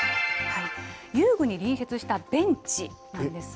遊具に隣接したベンチなんです。